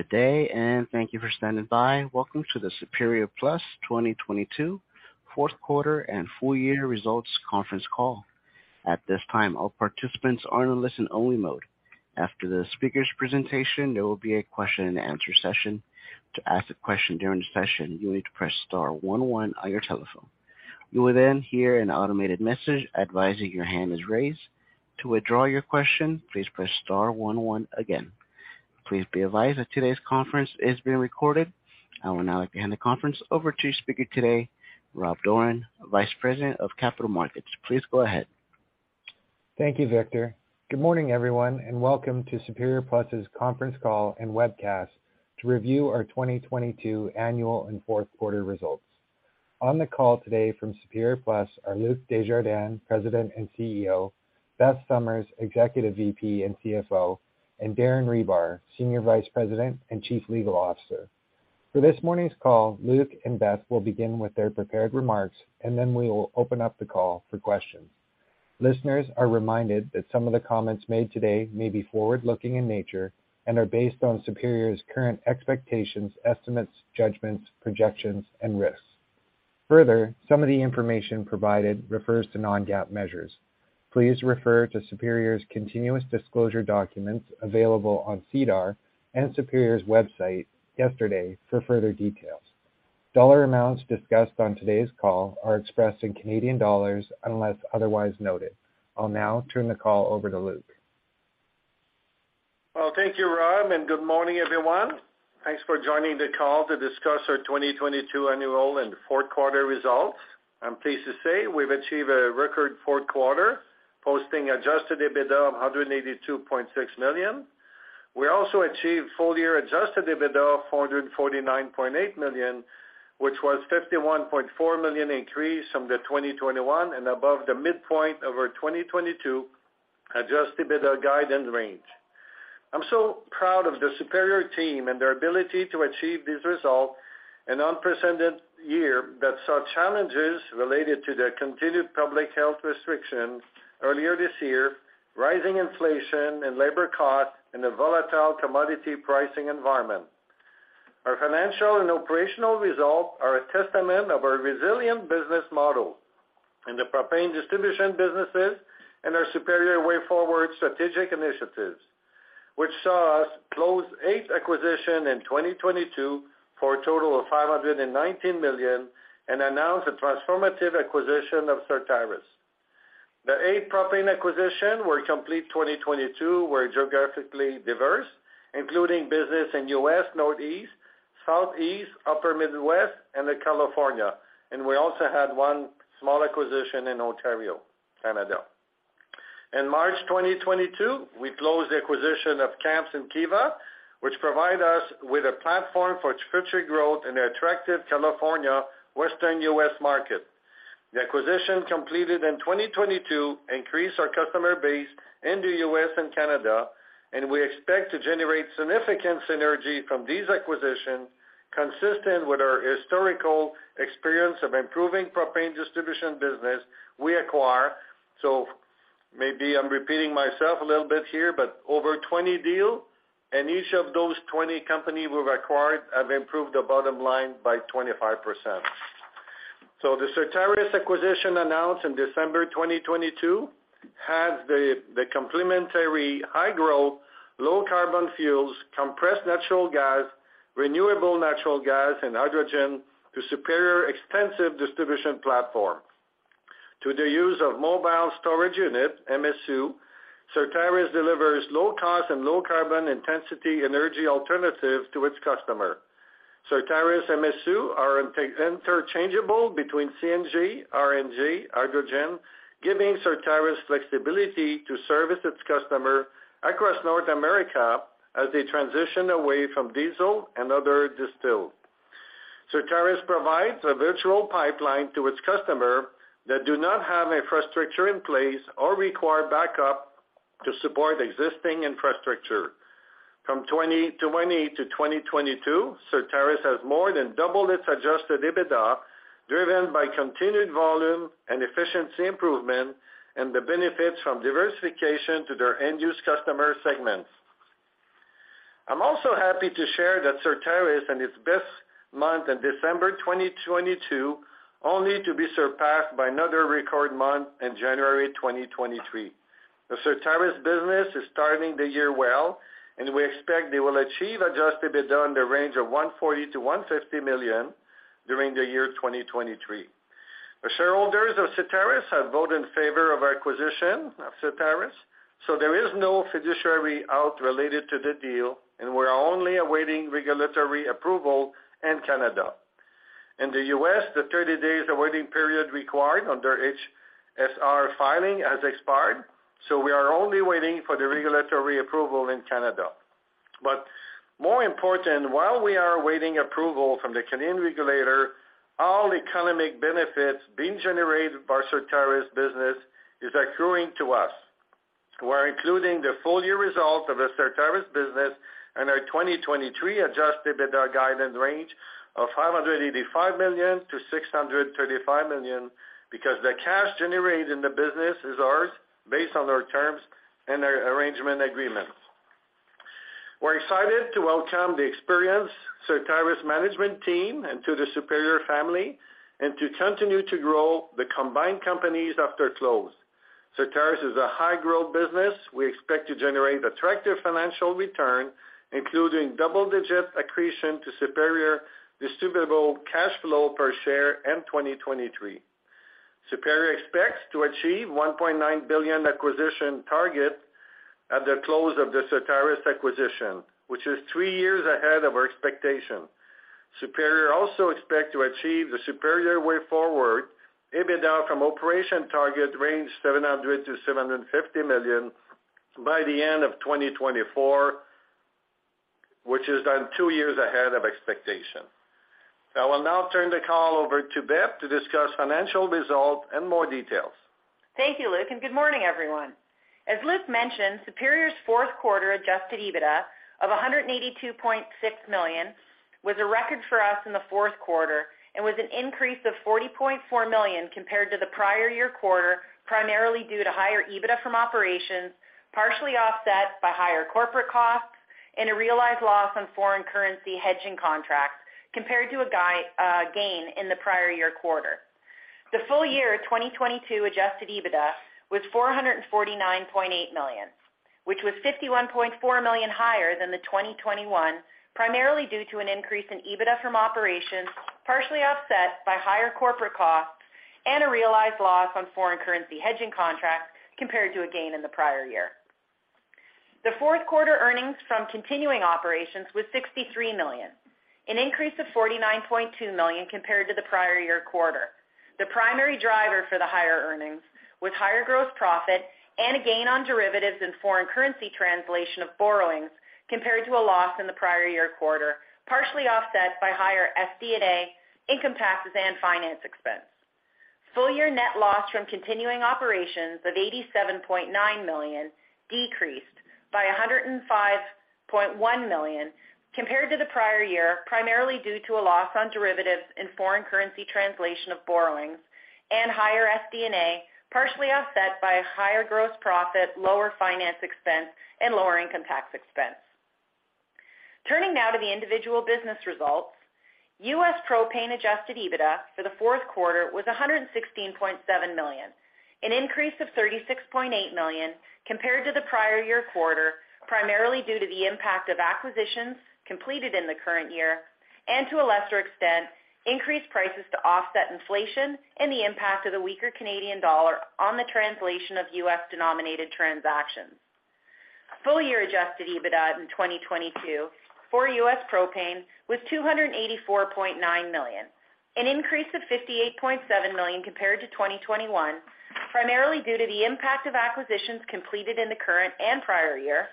Good day. Thank you for standing by. Welcome to the Superior Plus 2022 Fourth Quarter and Full Year Results Conference Call. At this time, all participants are in a listen only mode. After the speaker's presentation, there will be a question and answer session. To ask a question during the session, you need to press star one one on your telephone. You will hear an automated message advising your hand is raised. To withdraw your question, please press star one one again. Please be advised that today's conference is being recorded. I will now hand the conference over to speaker today, Rob Dorran, Vice President of Capital Markets. Please go ahead. Thank you, Victor. Good morning, everyone, and welcome to Superior Plus's conference call and webcast to review our 2022 annual and fourth quarter results. On the call today from Superior Plus are Luc Desjardins, President and CEO, Beth Summers, Executive VP and CFO, and Darren Hribar, Senior Vice President and Chief Legal Officer. For this morning's call, Luc and Beth will begin with their prepared remarks. We will open up the call for questions. Listeners are reminded that some of the comments made today may be forward-looking in nature and are based on Superior's current expectations, estimates, judgments, projections, and risks. Further, some of the information provided refers to non-GAAP measures. Please refer to Superior's continuous disclosure documents available on SEDAR and Superior's website yesterday for further details. Dollar amounts discussed on today's call are expressed in Canadian dollars unless otherwise noted. I'll now turn the call over to Luc. Thank you, Rob, and good morning, everyone. Thanks for joining the call to discuss our 2022 annual and fourth quarter results. I'm pleased to say we've achieved a record fourth quarter posting adjusted EBITDA of 182.6 million. We also achieved full year adjusted EBITDA of 449.8 million, which was 51.4 million increase from the 2021 and above the midpoint of our 2022 adjusted EBITDA guidance range. I'm so proud of the Superior team and their ability to achieve this result an unprecedented year that saw challenges related to the continued public health restrictions earlier this year, rising inflation and labor costs in a volatile commodity pricing environment. Our financial and operational results are a testament of our resilient business model in the propane distribution businesses and our Superior Way Forward strategic initiatives, which saw us close 8 acquisition in 2022 for a total of 519 million and announce a transformative acquisition of Certarus. The 8 propane acquisition we complete 2022 were geographically diverse, including business in U.S. Northeast, Southeast, Upper Midwest and the California. We also had 1 small acquisition in Ontario, Canada. In March 2022, we closed the acquisition of Kamps and Kiva, which provide us with a platform for future growth in the attractive California Western U.S. market. The acquisition completed in 2022 increased our customer base in the U.S. and Canada, and we expect to generate significant synergy from these acquisitions consistent with our historical experience of improving propane distribution business we acquire. Maybe I'm repeating myself a little bit here, but over 20 deal and each of those 20 companies we've acquired have improved the bottom line by 25%. The Certarus acquisition announced in December 2022 has the complementary high-growth, low carbon fuels, compressed natural gas, renewable natural gas and hydrogen to Superior extensive distribution platform. To the use of mobile storage unit, MSU, Certarus delivers low cost and low carbon intensity energy alternatives to its customer. Certarus MSU are interchangeable between CNG, RNG, hydrogen, giving Certarus flexibility to service its customer across North America as they transition away from diesel and other distilled. Certarus provides a virtual pipeline to its customer that do not have infrastructure in place or require backup to support existing infrastructure. From 2020 to 2022, Certarus has more than doubled its adjusted EBITDA, driven by continued volume and efficiency improvement and the benefits from diversification to their end-use customer segments. I'm also happy to share that Certarus had its best month in December 2022, only to be surpassed by another record month in January 2023. The Certarus business is starting the year well, and we expect they will achieve adjusted EBITDA in the range of $140 million-$150 million during the year 2023. The shareholders of Certarus have voted in favor of acquisition of Certarus, so there is no fiduciary out related to the deal, and we're only awaiting regulatory approval in Canada. In the U.S., the 30 days awaiting period required under HSR filing has expired, so we are only waiting for the regulatory approval in Canada. More important, while we are awaiting approval from the Canadian regulator, all economic benefits being generated by Certarus business is accruing to us. We're including the full year results of the Certarus business and our 2023 adjusted EBITDA guidance range of 585 million-635 million because the cash generated in the business is ours based on our terms and our arrangement agreements. We're excited to welcome the experienced Certarus management team into the Superior family and to continue to grow the combined companies after close. Certarus is a high-growth business. We expect to generate attractive financial return, including double-digit accretion to Superior distributable cash flow per share in 2023. Superior expects to achieve 1.9 billion acquisition target at the close of the Certarus acquisition, which is three years ahead of our expectation. Superior also expect to achieve the Superior Way Forward, EBITDA from operation target range 700 million-750 million by the end of 2024, which is done two years ahead of expectation. I will now turn the call over to Beth to discuss financial results in more details. Thank you, Luc. Good morning, everyone. As Luc mentioned, Superior's fourth quarter adjusted EBITDA of 182.6 million was a record for us in the fourth quarter and was an increase of 40.4 million compared to the prior year quarter, primarily due to higher EBITDA from operations, partially offset by higher corporate costs and a realized loss on foreign currency hedging contracts compared to a gain in the prior year quarter. The full year 2022 adjusted EBITDA was 449.8 million, which was 51.4 million higher than 2021, primarily due to an increase in EBITDA from operations, partially offset by higher corporate costs and a realized loss on foreign currency hedging contracts compared to a gain in the prior year. The fourth quarter earnings from continuing operations was 63 million, an increase of 49.2 million compared to the prior year quarter. The primary driver for the higher earnings was higher gross profit and a gain on derivatives and foreign currency translation of borrowings compared to a loss in the prior year quarter, partially offset by higher SD&A, income taxes, and finance expense. Full year net loss from continuing operations of 87.9 million decreased by 105.1 million compared to the prior year, primarily due to a loss on derivatives in foreign currency translation of borrowings and higher SD&A, partially offset by higher gross profit, lower finance expense and lower income tax expense. Turning now to the individual business results. U.S. propane adjusted EBITDA for the fourth quarter was $116.7 million, an increase of $36.8 million compared to the prior year quarter, primarily due to the impact of acquisitions completed in the current year and to a lesser extent, increased prices to offset inflation and the impact of the weaker Canadian dollar on the translation of U.S.-denominated transactions. Full year adjusted EBITDA in 2022 for U.S. propane was $284.9 million, an increase of $58.7 million compared to 2021, primarily due to the impact of acquisitions completed in the current and prior year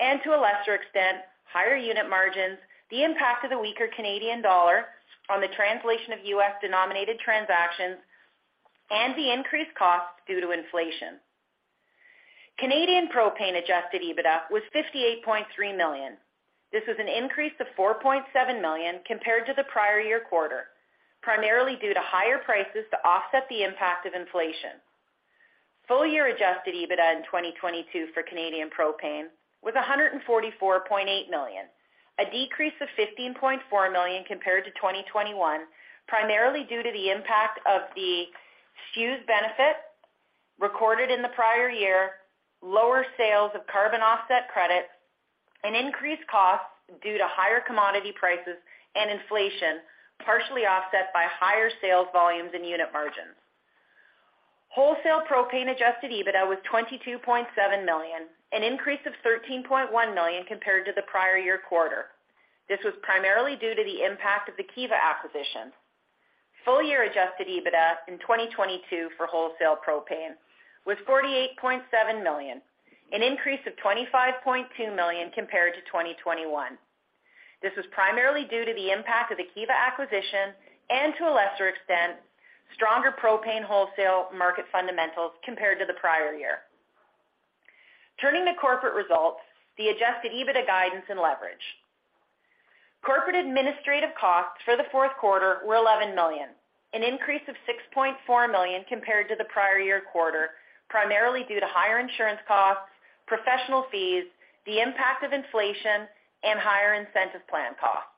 and to a lesser extent, higher unit margins, the impact of the weaker Canadian dollar on the translation of U.S.-denominated transactions and the increased costs due to inflation. Canadian propane adjusted EBITDA was 58.3 million. This was an increase of 4.7 million compared to the prior year quarter, primarily due to higher prices to offset the impact of inflation. Full year adjusted EBITDA in 2022 for Canadian propane was 144.8 million, a decrease of 15.4 million compared to 2021, primarily due to the impact of the CEWS benefit recorded in the prior year, lower sales of carbon offset credits and increased costs due to higher commodity prices and inflation, partially offset by higher sales volumes and unit margins. Wholesale propane adjusted EBITDA was 22.7 million, an increase of 13.1 million compared to the prior year quarter. This was primarily due to the impact of the Kiva acquisition. Full year adjusted EBITDA in 2022 for wholesale propane was 48.7 million, an increase of 25.2 million compared to 2021. This was primarily due to the impact of the Kiva acquisition and to a lesser extent, stronger propane wholesale market fundamentals compared to the prior year. Turning to corporate results, the adjusted EBITDA guidance and leverage. Corporate administrative costs for the fourth quarter were 11 million, an increase of 6.4 million compared to the prior year quarter, primarily due to higher insurance costs, professional fees, the impact of inflation and higher incentive plan costs.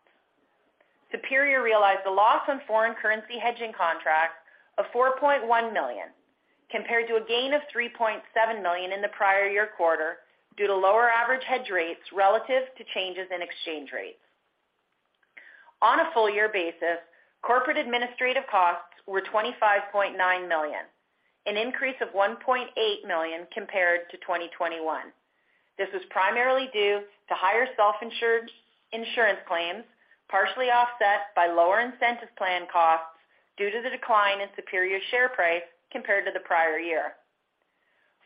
Superior realized a loss on foreign currency hedging contracts of 4.1 million compared to a gain of 3.7 million in the prior year quarter due to lower average hedge rates relative to changes in exchange rates. On a full year basis, corporate administrative costs were 25.9 million, an increase of 1.8 million compared to 2021. This was primarily due to higher self-insured insurance claims, partially offset by lower incentive plan costs due to the decline in Superior share price compared to the prior year.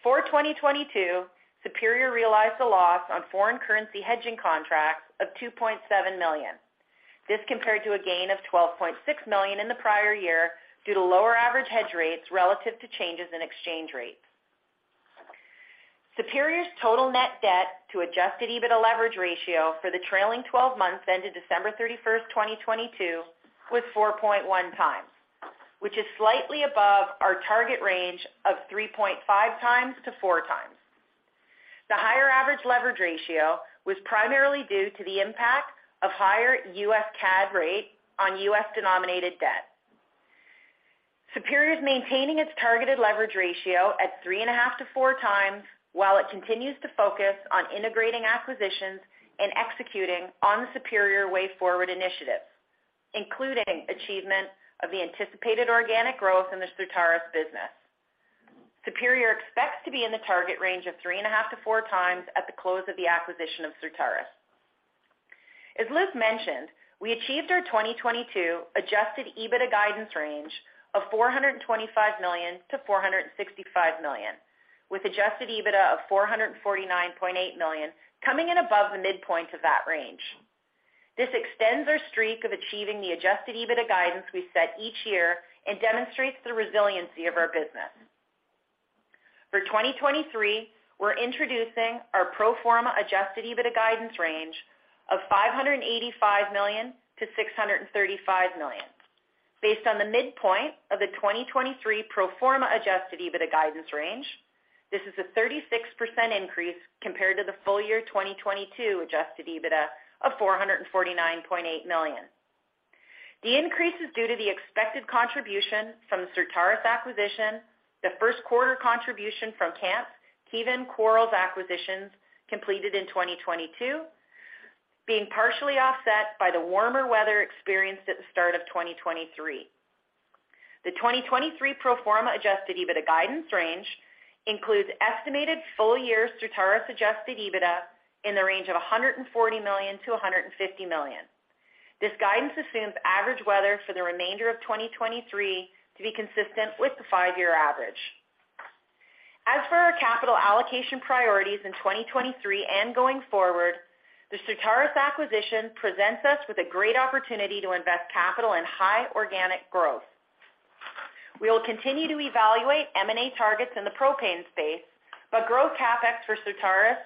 For 2022, Superior realized a loss on foreign currency hedging contracts of 2.7 million. This compared to a gain of 12.6 million in the prior year due to lower average hedge rates relative to changes in exchange rates. Superior's total net debt to adjusted EBITDA leverage ratio for the trailing 12 months ended December 31st, 2022, was 4.1 times, which is slightly above our target range of 3.5 times to 4 times. The higher average leverage ratio was primarily due to the impact of higher U.S. CAD rate on U.S. denominated debt. Superior is maintaining its targeted leverage ratio at 3.5-4 times while it continues to focus on integrating acquisitions and executing on the Superior Way Forward initiatives, including achievement of the anticipated organic growth in the Certarus business. Superior expects to be in the target range of 3.5-4 times at the close of the acquisition of Certarus. As Luc mentioned, we achieved our 2022 adjusted EBITDA guidance range of $425 million-$465 million, with adjusted EBITDA of $449.8 million coming in above the midpoint of that range. This extends our streak of achieving the adjusted EBITDA guidance we set each year and demonstrates the resiliency of our business. For 2023, we're introducing our pro forma adjusted EBITDA guidance range of 585 million-635 million. Based on the midpoint of the 2023 pro forma adjusted EBITDA guidance range, this is a 36% increase compared to the full year 2022 adjusted EBITDA of 449.8 million. The increase is due to the expected contribution from the Certarus acquisition, the first quarter contribution from Kamps, Kiva, Quarles acquisitions completed in 2022, being partially offset by the warmer weather experienced at the start of 2023. The 2023 pro forma adjusted EBITDA guidance range includes estimated full year Certarus adjusted EBITDA in the range of 140 million-150 million. This guidance assumes average weather for the remainder of 2023 to be consistent with the 5-year average. As for our capital allocation priorities in 2023 and going forward, the Certarus acquisition presents us with a great opportunity to invest capital in high organic growth. We will continue to evaluate M&A targets in the propane space, but growth CapEx for Certarus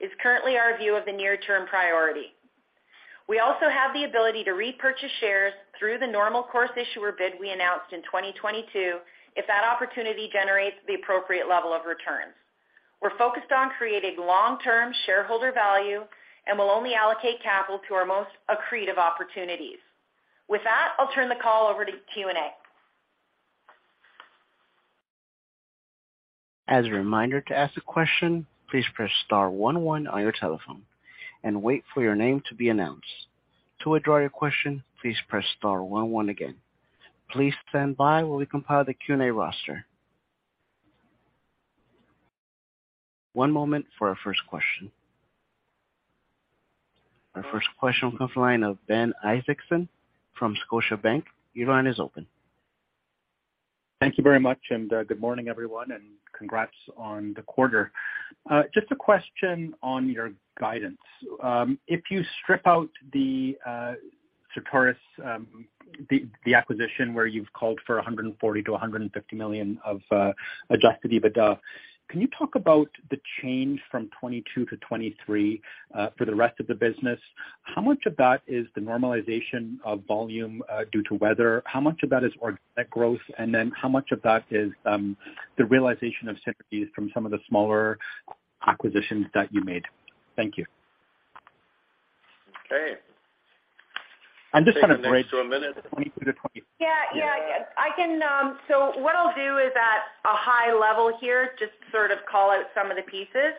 is currently our view of the near-term priority. We also have the ability to repurchase shares through the normal course issuer bid we announced in 2022 if that opportunity generates the appropriate level of returns. We're focused on creating long-term shareholder value, and we'll only allocate capital to our most accretive opportunities. With that, I'll turn the call over to Q&A. As a reminder to ask a question, please press star one one on your telephone and wait for your name to be announced. To withdraw your question, please press star one one again. Please stand by while we compile the Q&A roster. One moment for our first question. Our first question comes line of Ben Isaacson from Scotiabank. Your line is open. Thank you very much, and good morning, everyone, and congrats on the quarter. Just a question on your guidance. If you strip out the Certarus, the acquisition where you've called for 140 million-150 million of adjusted EBITDA, can you talk about the change from 2022 to 2023 for the rest of the business? How much of that is the normalization of volume due to weather? How much of that is net growth? How much of that is the realization of synergies from some of the smaller acquisitions that you made? Thank you. Okay. I'm just gonna break- Take the next two minutes. 22 to 20- Yeah, yeah. I can. What I'll do is at a high level here, just sort of call out some of the pieces.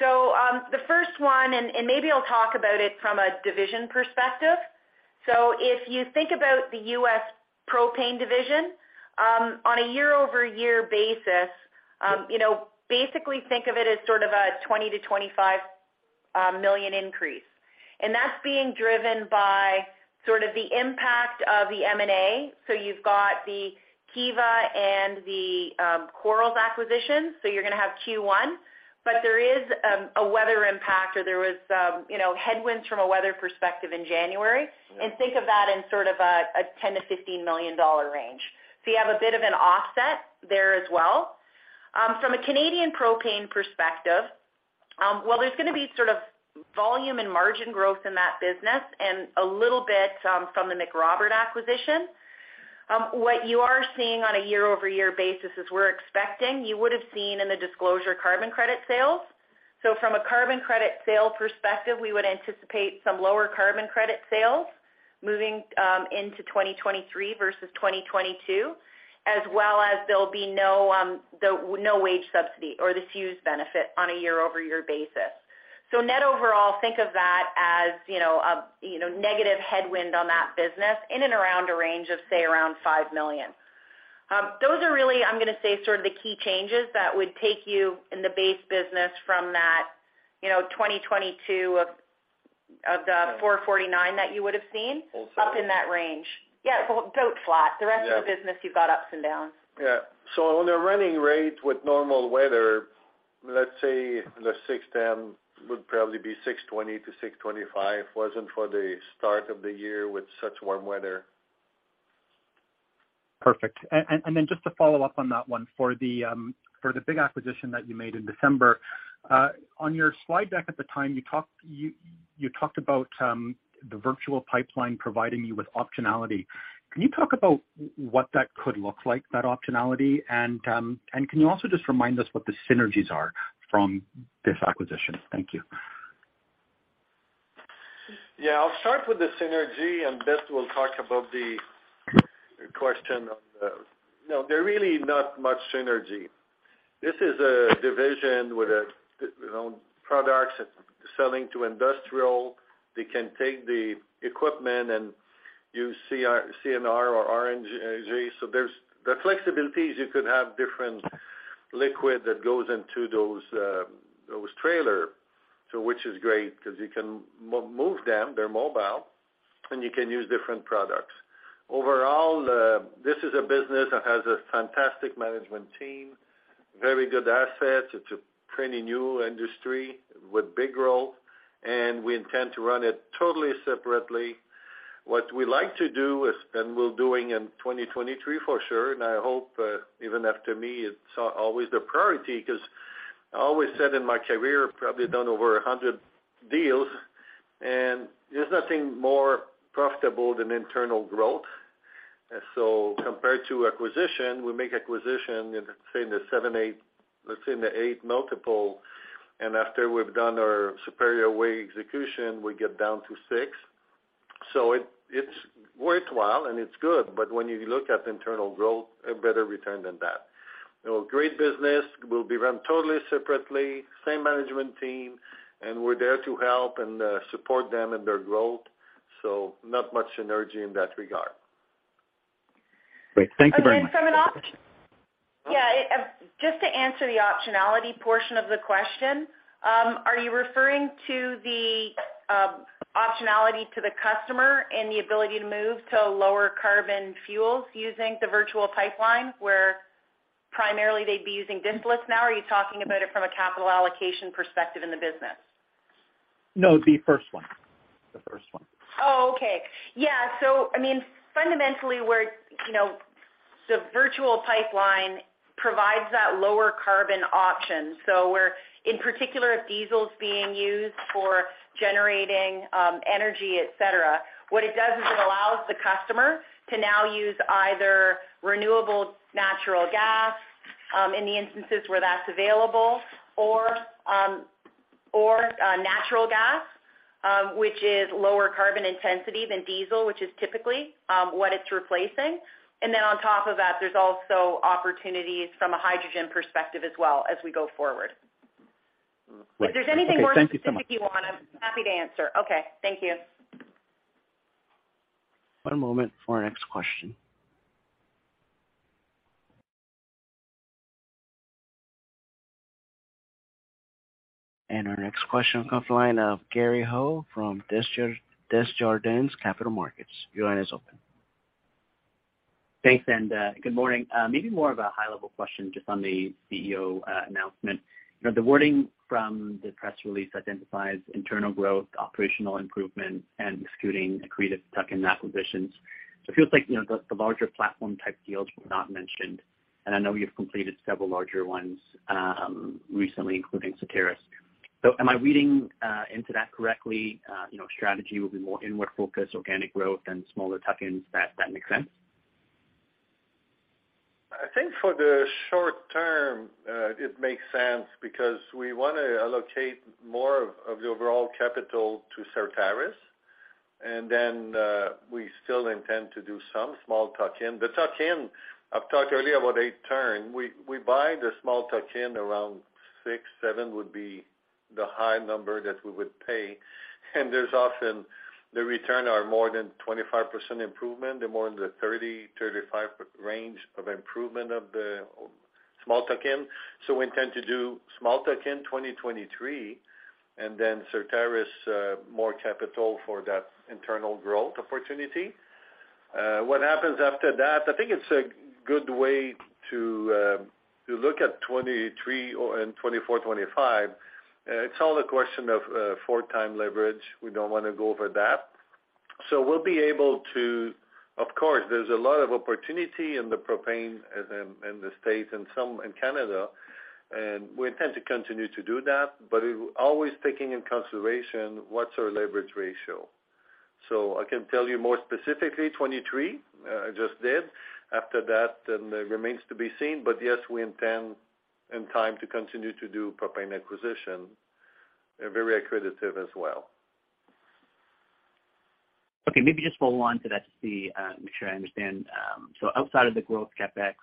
The first one, and maybe I'll talk about it from a division perspective. If you think about the U.S. propane division, on a year-over-year basis, you know, basically think of it as sort of a $20 million-$25 million increase. That's being driven by sort of the impact of the M&A. You've got the Kiva and the Quarles acquisition, so you're gonna have Q1. There is a weather impact or there was, you know, headwinds from a weather perspective in January. Think of that in sort of a $10 million-$15 million range. You have a bit of an offset there as well. From a Canadian propane perspective, well, there's gonna be sort of volume and margin growth in that business and a little bit from the McRobert acquisition. What you are seeing on a year-over-year basis is we're expecting, you would have seen in the disclosure carbon credit sales. From a carbon credit sales perspective, we would anticipate some lower carbon credit sales moving into 2023 versus 2022, as well as there'll be no wage subsidy or the CEWS benefit on a year-over-year basis. Net overall, think of that as, you know, you know, negative headwind on that business in and around a range of, say, around 5 million. Those are really, I'm gonna say, sort of the key changes that would take you in the base business from that, you know, 2022 of the 449 that you would have seen. Also- Up in that range. Yeah, well, about flat. Yeah. The rest of the business, you've got ups and downs. Yeah. On a running rate with normal weather, let's say the 610 would probably be 620-625, wasn't for the start of the year with such warm weather. Perfect. Just to follow up on that one. For the big acquisition that you made in December, on your slide deck at the time you talked about the virtual pipeline providing you with optionality. Can you talk about what that could look like, that optionality? Can you also just remind us what the synergies are from this acquisition? Thank you. I'll start with the synergy, and Beth will talk about the question of. No, there really not much synergy. This is a division with a, you know, products selling to industrial. They can take the equipment and use CNG or RNG. The flexibility is you could have different liquid that goes into those trailer, so which is great because you can move them, they're mobile, and you can use different products. This is a business that has a fantastic management team, very good assets. It's a pretty new industry with big growth, and we intend to run it totally separately. What we like to do is, and we're doing in 2023 for sure, and I hope, even after me, it's always the priority because I always said in my career, probably done over 100 deals, and there's nothing more profitable than internal growth. Compared to acquisition, we make acquisition in, say, in the 7, 8, let's say in the 8 multiple. After we've done our Superior Way execution, we get down to 6. It's worthwhile and it's good. When you look at internal growth, a better return than that. You know, great business will be run totally separately, same management team, and we're there to help and support them in their growth. Not much synergy in that regard. Great. Thank you very much. from an op-. Oh. Just to answer the optionality portion of the question, are you referring to the optionality to the customer and the ability to move to lower carbon fuels using the virtual pipeline, where primarily they'd be using these lists now? Are you talking about it from a capital allocation perspective in the business? No, the first one. The first one. Oh, okay. Yeah. I mean, fundamentally, we're, you know, the virtual pipeline provides that lower carbon option. We're, in particular, if diesel is being used for generating energy, et cetera, what it does is it allows the customer to now use either renewable natural gas, in the instances where that's available, or natural gas, which is lower carbon intensity than diesel, which is typically what it's replacing. On top of that, there's also opportunities from a hydrogen perspective as well as we go forward. Great. Okay. Thank you so much. If there's anything more specific you want, I'm happy to answer. Okay. Thank you. One moment for our next question. Our next question comes the line of Gary Ho from Desjardins Capital Markets. Your line is open. Thanks, and good morning. Maybe more of a high-level question just on the CEO announcement. You know, the wording from the press release identifies internal growth, operational improvement, and executing accretive tuck-in acquisitions. It feels like, you know, the larger platform type deals were not mentioned, and I know you've completed several larger ones recently, including Certarus. Am I reading into that correctly, you know, strategy will be more inward focus, organic growth and smaller tuck-ins? That make sense? I think for the short term, it makes sense because we wanna allocate more of the overall capital to Certarus. Then, we still intend to do some small tuck-in. The tuck-in, I've talked earlier about 8x turn. We buy the small tuck-in around 6x-7x would be the high number that we would pay. There's often the return are more than 25% improvement. They're more in the 30-35 range of improvement of the small tuck-in. We intend to do small tuck-in 2023, then Certarus, more capital for that internal growth opportunity. What happens after that? I think it's a good way to look at 2023 or in 2024, 2025. It's all a question of 4x leverage. We don't wanna go over that. We'll be able to... Of course, there's a lot of opportunity in the propane as in the States and some in Canada, and we intend to continue to do that, but we're always taking in consideration what's our leverage ratio. I can tell you more specifically, 2023, I just did. After that, then it remains to be seen. Yes, we intend in time to continue to do propane acquisition. They're very accretive as well. Okay. Maybe just follow on to that to see, make sure I understand. Outside of the growth CapEx,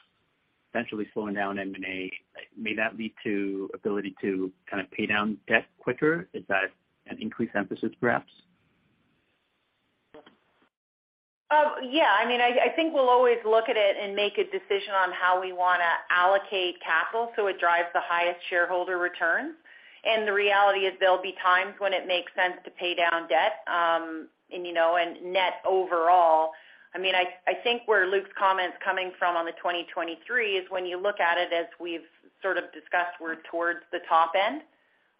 essentially slowing down M&A, may that lead to ability to kind of pay down debt quicker? Is that an increased emphasis, perhaps? Yeah. I mean, I think we'll always look at it and make a decision on how we wanna allocate capital so it drives the highest shareholder return. The reality is there'll be times when it makes sense to pay down debt, and, you know, and net overall. I mean, I think where Luc's comments coming from on the 2023 is when you look at it as we've sort of discussed, we're towards the top end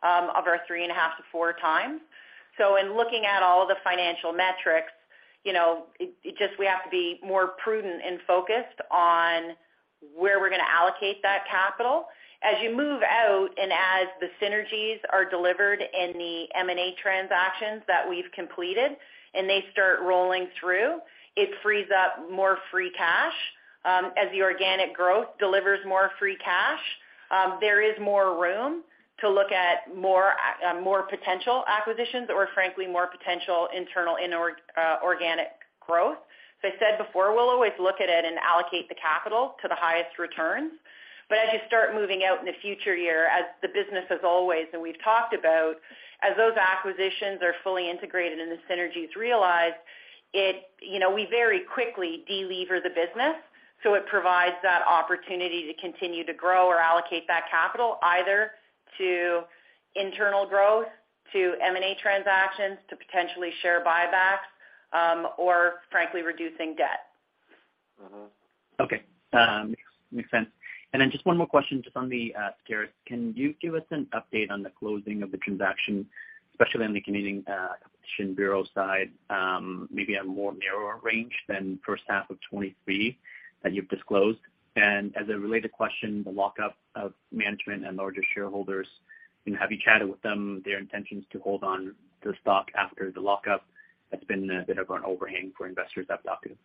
of our 3.5-4 times. In looking at all the financial metrics, you know, it just we have to be more prudent and focused on where we're gonna allocate that capital. As you move out and as the synergies are delivered in the M&A transactions that we've completed and they start rolling through, it frees up more free cash. As the organic growth delivers more free cash, there is more room to look at more potential acquisitions or frankly, more potential internal organic growth. As I said before, we'll always look at it and allocate the capital to the highest returns. As you start moving out in the future year, as the business as always, and we've talked about, as those acquisitions are fully integrated and the synergies realized, you know, we very quickly de-lever the business, so it provides that opportunity to continue to grow or allocate that capital either to internal growth, to M&A transactions, to potentially share buybacks, or frankly, reducing debt. Mm-hmm. Okay. Makes sense. Just one more question just on the Certarus. Can you give us an update on the closing of the transaction, especially on the Canadian Competition Bureau side, maybe a more narrower range than first half of 2023 that you've disclosed? As a related question, the lockup of management and larger shareholders, you know, have you chatted with them their intentions to hold on to the stock after the lockup? That's been a bit of an overhang for investors I've talked to.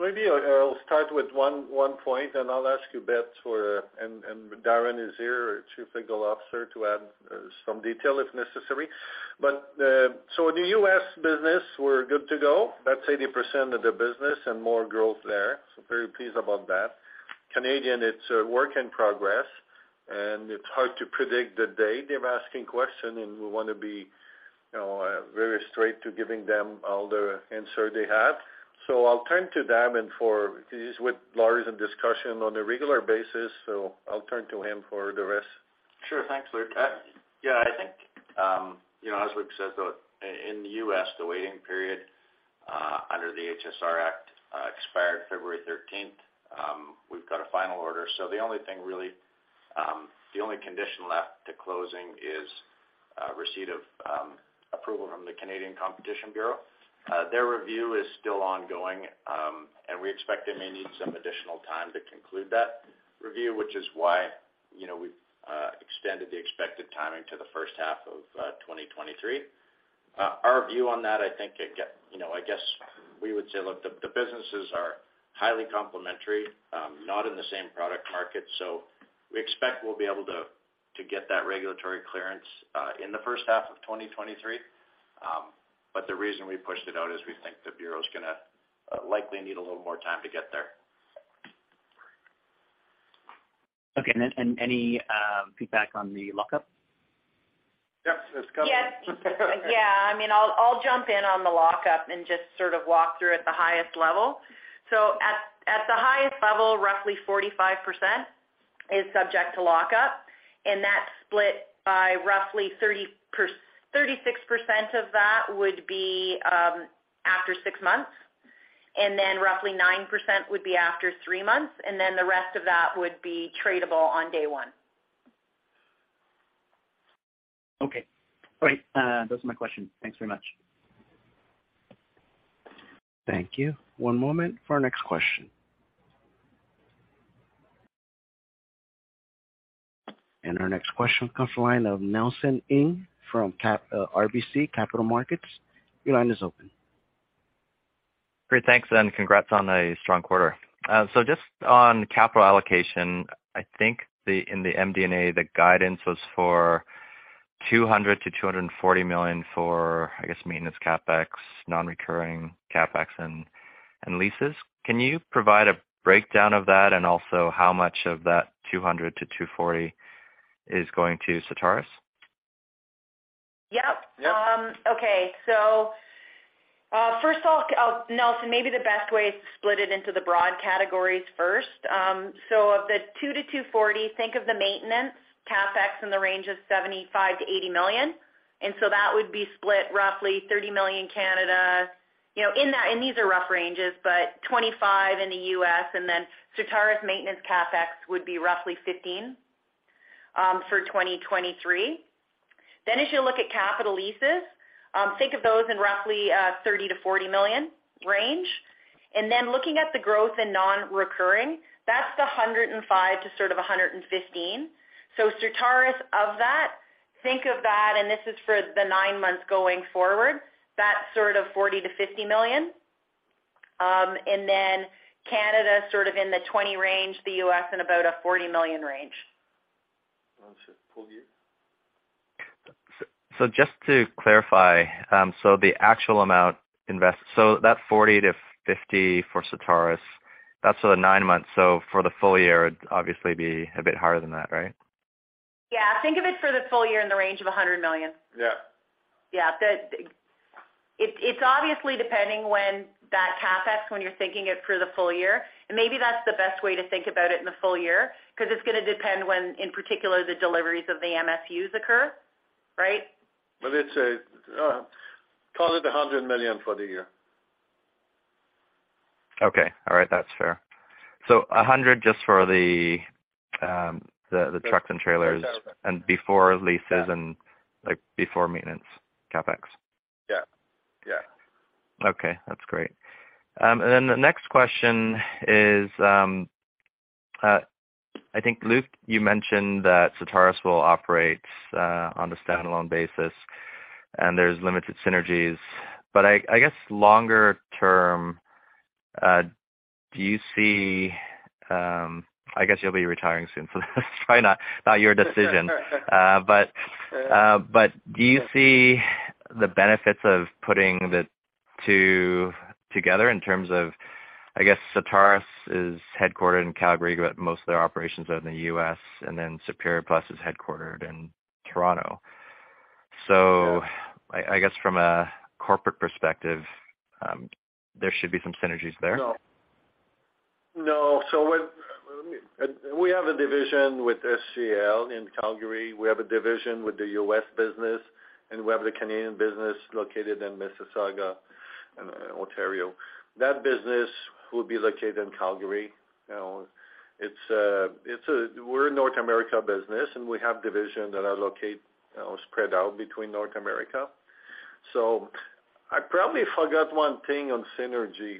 Maybe I'll start with one point. I'll ask you Beth for, and Darren is here, our Chief Legal Officer, to add some detail if necessary. In the U.S. business, we're good to go. That's 80% of the business and more growth there, very pleased about that. Canadian, it's a work in progress, and it's hard to predict the date. They're asking question, and we wanna be, you know, very straight to giving them all the answer they have. I'll turn to Darren for. He's with Lars in discussion on a regular basis, so I'll turn to him for the rest. Sure. Thanks, Luc. Yeah, I think, you know, as Luc says, in the U.S., the waiting period under the HSR Act expired February 13th. We've got a final order. The only thing really, the only condition left to closing is receipt of approval from the Canadian Competition Bureau. Their review is still ongoing, and we expect they may need some additional time to conclude that review, which is why, you know, we've extended the expected timing to the first half of 2023. Our view on that, I think, you know, I guess we would say, look, the businesses are highly complementary, not in the same product market. We expect we'll be able to get that regulatory clearance in the first half of 2023. The reason we pushed it out is we think the Bureau's gonna likely need a little more time to get there. Okay. Then, any feedback on the lockup? Yep. That's coming. Yes. Yeah. I mean, I'll jump in on the lockup and just sort of walk through at the highest level. At the highest level, roughly 45% is subject to lockup, and that's split by roughly 36% of that would be after six months, roughly 9% would be after three months, the rest of that would be tradable on day one. Okay. All right. Those are my questions. Thanks very much. Thank you. One moment for our next question. Our next question comes from the line of Nelson Ng from RBC Capital Markets. Your line is open. Great. Thanks. Congrats on a strong quarter. Just on capital allocation, I think the, in the MD&A, the guidance was for 200 million-240 million for, I guess, maintenance CapEx, non-recurring CapEx and leases. Can you provide a breakdown of that, and also how much of that 200 million-240 million is going to Certarus? Yep. Yep. Okay. First of all, Nelson, maybe the best way is to split it into the broad categories first. Of the 220 million-240 million, think of the maintenance CapEx in the range of 75 million-80 million. So that would be split roughly 30 million Canada, you know, in that, and these are rough ranges, but $25 million in the U.S., and then Certarus maintenance CapEx would be roughly $15 million for 2023. As you look at capital leases, think of those in roughly 30 million-40 million range. Looking at the growth in non-recurring, that's the 105 million-115 million. Certarus of that, think of that, and this is for the 9 months going forward, that's sort of $40 million-$50 million. Canada sort of in the 20 range, the U.S. in about a 40 million range. I'll just pull you. Just to clarify, the actual amount so that 40-50 for Certarus, that's for the 9 months. For the full year, it'd obviously be a bit higher than that, right? Yeah. Think of it for the full year in the range of 100 million. Yeah. Yeah. It's obviously depending when that CapEx, when you're thinking it for the full year, and maybe that's the best way to think about it in the full year, 'cause it's gonna depend when, in particular, the deliveries of the MSUs occur, right? It's a, call it 100 million for the year. Okay. All right. That's fair. 100 just for the trucks and trailers and before leases and, like, before maintenance CapEx. Yeah. Yeah. Okay, that's great. The next question is, I think, Luc, you mentioned that Certarus will operate on a standalone basis and there's limited synergies. I guess longer term, do you see... I guess you'll be retiring soon, so it's probably not your decision. Sure. Do you see the benefits of putting the two together in terms of, I guess Certarus is headquartered in Calgary, but most of their operations are in the U.S. and then Superior Plus is headquartered in Toronto? Yeah. I guess from a corporate perspective, there should be some synergies there. No. No. What we have a division with SCL in Calgary. We have a division with the U.S. business, and we have the Canadian business located in Mississauga, in Ontario. That business will be located in Calgary. You know, it's a North America business, and we have division that are spread out between North America. I probably forgot one thing on synergy.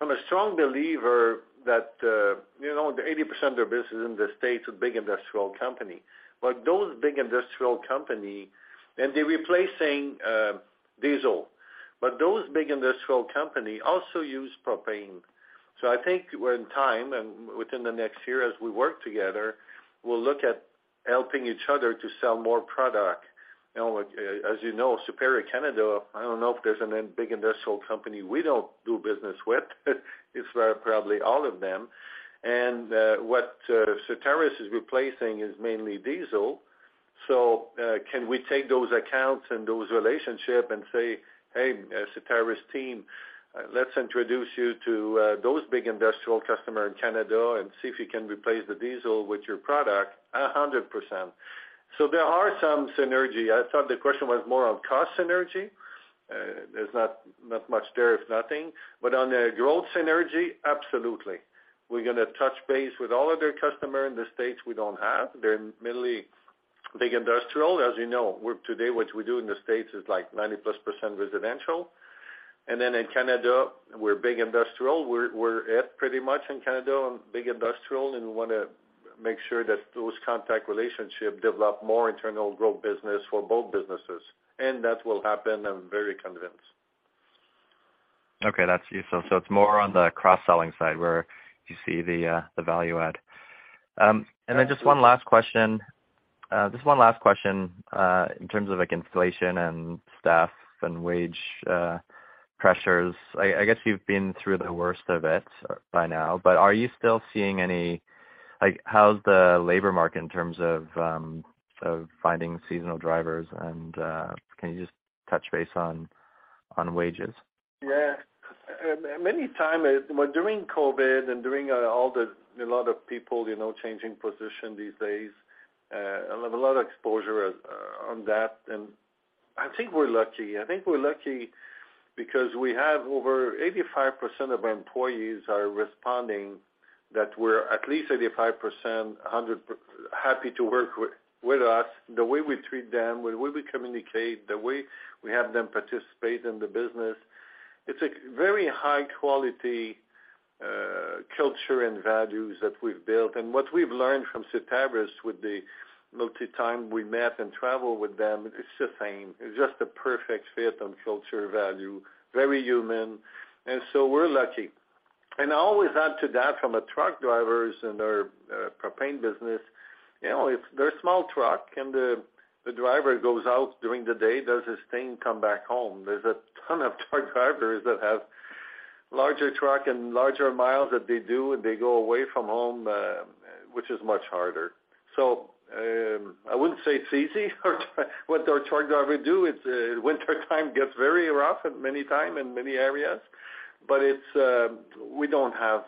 I'm a strong believer that, you know, the 80% of their business in the States are big industrial company. Those big industrial company and they're replacing diesel. Those big industrial company also use propane. I think when time and within the next year, as we work together, we'll look at helping each other to sell more product. You know, as you know, Superior Canada, I don't know if there's any big industrial company we don't do business with. It's probably all of them. What Certarus is replacing is mainly diesel. Can we take those accounts and those relationship and say, "Hey, Certarus team, let's introduce you to those big industrial customer in Canada and see if you can replace the diesel with your product 100%." There are some synergy. I thought the question was more on cost synergy. There's not much there, if nothing. On the growth synergy, absolutely. We're gonna touch base with all of their customer in the States we don't have. They're mainly big industrial. As you know, today, what we do in the States is like 90%+ residential. In Canada, we're big industrial. We're it pretty much in Canada on big industrial, we wanna make sure that those contact relationship develop more internal growth business for both businesses. That will happen, I'm very convinced. Okay, that's useful. It's more on the cross-selling side where you see the value add. Just one last question. Just one last question, in terms of like inflation and staff and wage pressures. I guess you've been through the worst of it by now, but are you still seeing any... Like, how's the labor market in terms of finding seasonal drivers? Can you just touch base on wages? Many time, well, during COVID and during, all the, you know, lot of people, you know, changing position these days, I have a lot of exposure on that. I think we're lucky. I think we're lucky because we have over 85% of our employees are responding that we're at least 85%, 100% happy to work with us, the way we treat them, the way we communicate, the way we have them participate in the business. It's a very high quality culture and values that we've built. What we've learned from Certarus with the multitime we met and travel with them is the same. It's just a perfect fit on culture value, very human. We're lucky. I always add to that from a truck drivers in our propane business. You know, it's their small truck and the driver goes out during the day, does his thing, come back home. There's a ton of truck drivers that have larger truck and larger miles that they do, and they go away from home, which is much harder. I wouldn't say it's easy. What our truck driver do is wintertime gets very rough at many time in many areas. It's, we don't have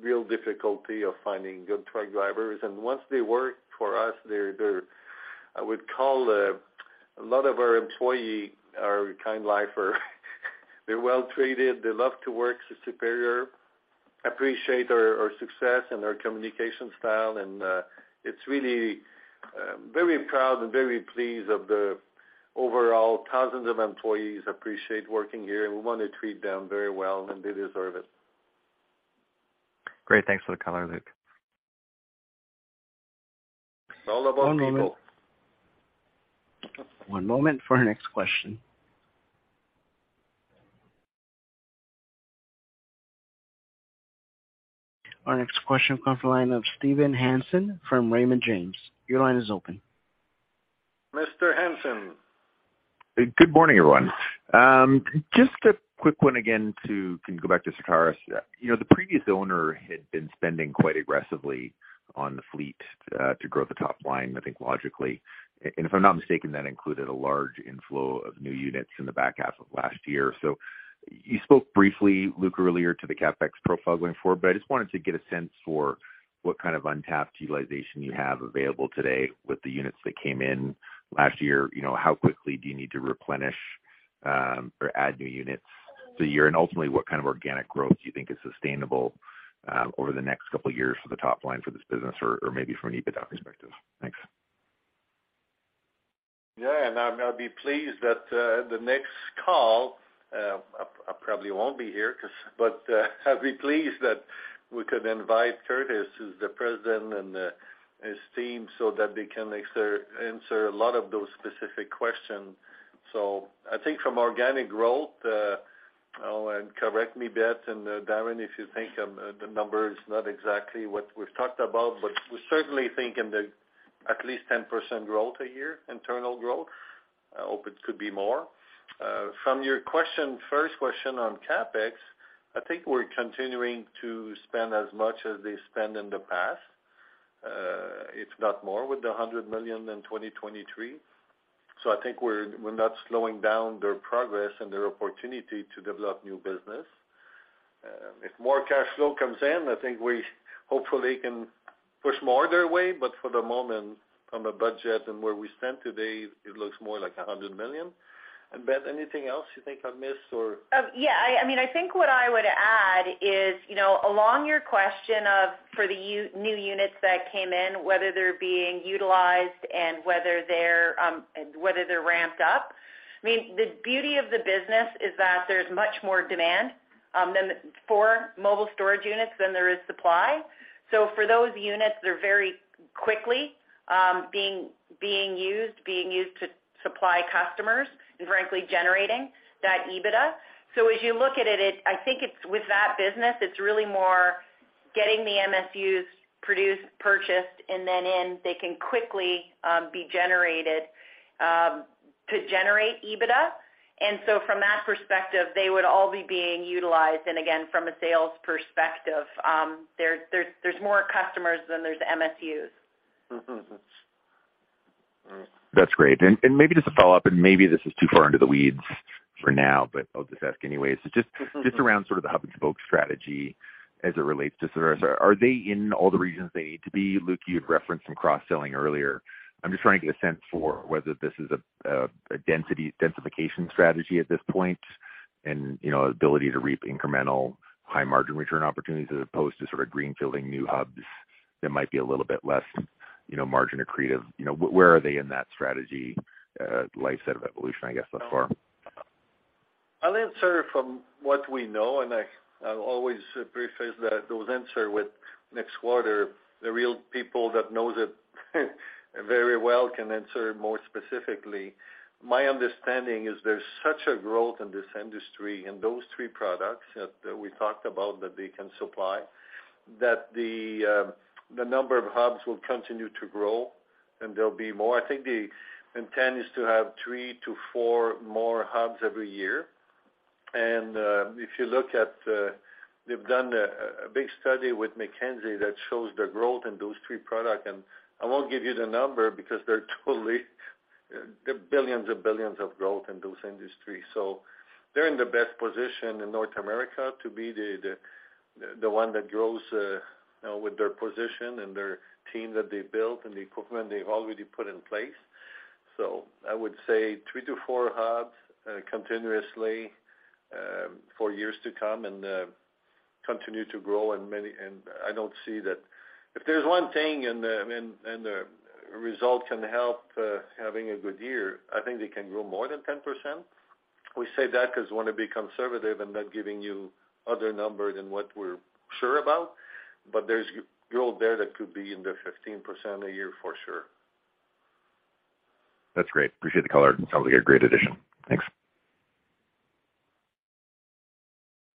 real difficulty of finding good truck drivers. Once they work for us, they're I would call a lot of our employee are kind lifer. They're well treated. They love to work at Superior, appreciate our success and our communication style. It's really, very proud and very pleased of the overall thousands of employees appreciate working here, and we wanna treat them very well, and they deserve it. Great. Thanks for the color, Luc. It's all about people. One moment. One moment for our next question. Our next question comes the line of Steven Hansen from Raymond James. Your line is open. Mr. Hansen. Good morning, everyone. Just a quick one again to, can go back to Certarus. You know, the previous owner had been spending quite aggressively on the fleet to grow the top line, I think logically. If I'm not mistaken, that included a large inflow of new units in the back half of last year. You spoke briefly, Luc, earlier to the CapEx profile going forward, but I just wanted to get a sense for what kind of untapped utilization you have available today with the units that came in last year. You know, how quickly do you need to replenish? Or add new units to a year, and ultimately what kind of organic growth do you think is sustainable over the next couple of years for the top line for this business or maybe from an EBITDA perspective? Thanks. Yeah. I'd be pleased that the next call, I probably won't be here but I'd be pleased that we could invite Curtis, who's the president, and his team so that they can answer a lot of those specific questions. I think from organic growth, correct me, Beth and Darren, if you think the number is not exactly what we've talked about, but we certainly think in the at least 10% growth a year, internal growth. I hope it could be more. From your question, first question on CapEx, I think we're continuing to spend as much as they spend in the past, if not more, with the 100 million in 2023. I think we're not slowing down their progress and their opportunity to develop new business. If more cash flow comes in, I think we hopefully can push more their way. For the moment, from a budget and where we stand today, it looks more like 100 million. Beth, anything else you think I've missed or? Yeah. I mean, I think what I would add is, you know, along your question of, for the new units that came in, whether they're being utilized and whether they're ramped up. I mean, the beauty of the business is that there's much more demand for mobile storage units than there is supply. For those units, they're very quickly being used to supply customers and frankly generating that EBITDA. As you look at it, I think it's with that business, it's really more getting the MSUs produced, purchased, and then in, they can quickly be generated to generate EBITDA. From that perspective, they would all be being utilized. Again, from a sales perspective, there's more customers than there's MSUs. Mm-hmm. Mm. That's great. Maybe just a follow-up, and maybe this is too far into the weeds for now, but I'll just ask anyway. Just around sort of the hub and spoke strategy as it relates to service, are they in all the regions they need to be? Luc, you had referenced some cross-selling earlier. I'm just trying to get a sense for whether this is a densification strategy at this point and, you know, ability to reap incremental high margin return opportunities as opposed to sort of greenfielding new hubs that might be a little bit less, you know, margin accretive. You know, where are they in that strategy life set of evolution, I guess, thus far? I'll answer from what we know, and I'll always preface that those answer with next quarter. The real people that knows it very well can answer more specifically. My understanding is there's such a growth in this industry in those three products that we talked about that they can supply, that the number of hubs will continue to grow and there'll be more. I think the intent is to have three to four more hubs every year. If you look at, they've done a big study with McKinsey that shows the growth in those three products. I won't give you the number because they're totally the billions and billions of growth in those industries. They're in the best position in North America to be the one that grows with their position and their team that they built and the equipment they've already put in place. I would say three to four hubs continuously for years to come and continue to grow. I don't see that... If there's one thing and the result can help having a good year, I think they can grow more than 10%. We say that 'cause we wanna be conservative and not giving you other numbers than what we're sure about. There's growth there that could be in the 15% a year for sure. That's great. Appreciate the color. Sounds like a great addition. Thanks.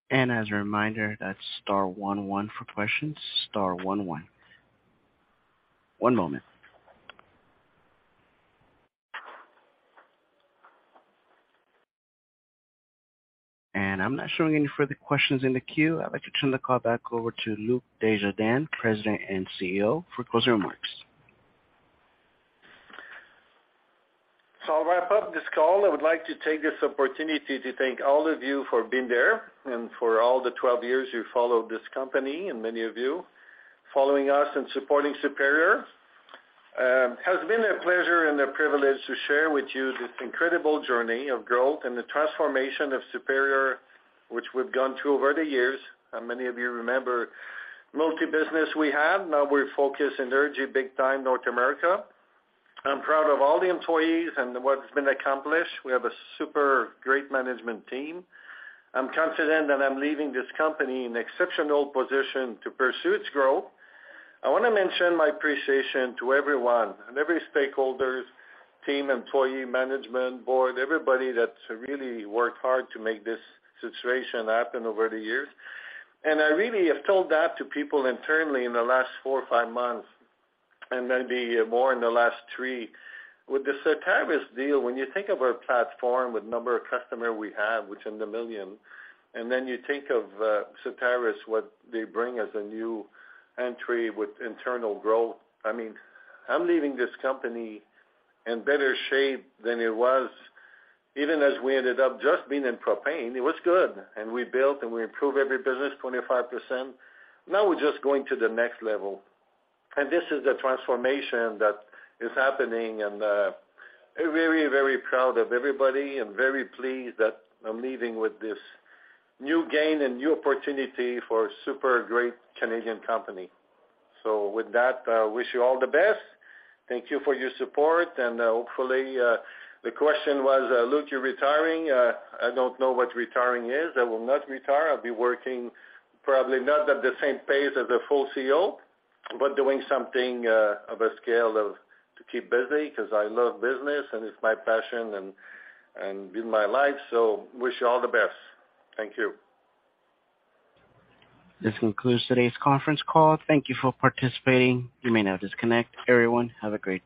As a reminder, that's star one one for questions, star one one. One moment. I'm not showing any further questions in the queue. I'd like to turn the call back over to Luc Desjardins, President and CEO, for closing remarks. I'll wrap up this call. I would like to take this opportunity to thank all of you for being there and for all the 12 years you followed this company and many of you following us and supporting Superior. Has been a pleasure and a privilege to share with you this incredible journey of growth and the transformation of Superior, which we've gone through over the years. Many of you remember multi-business we have. Now we're focused in energy big time, North America. I'm proud of all the employees and what's been accomplished. We have a super great management team. I'm confident that I'm leaving this company in exceptional position to pursue its growth. I wanna mention my appreciation to everyone and every stakeholders, team, employee, management, board, everybody that's really worked hard to make this situation happen over the years. I really have told that to people internally in the last 4 or 5 months, and maybe more in the last 3. With the Certarus deal, when you think of our platform, with number of customer we have, which in the million, and then you think of Certarus, what they bring as a new entry with internal growth. I mean, I'm leaving this company in better shape than it was. Even as we ended up just being in propane, it was good, and we built and we improved every business 25%. Now we're just going to the next level. This is the transformation that is happening. Very, very proud of everybody and very pleased that I'm leaving with this new gain and new opportunity for a super great Canadian company. With that, I wish you all the best. Thank you for your support. Hopefully, the question was, Luc, you're retiring. I don't know what retiring is. I will not retire. I'll be working probably not at the same pace as a full CEO, but doing something of a scale of to keep busy because I love business and it's my passion and been my life. Wish you all the best. Thank you. This concludes today's conference call. Thank you for participating. You may now disconnect. Everyone, have a great day.